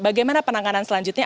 bagaimana penanganan selanjutnya